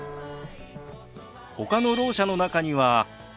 ほかのろう者の中には。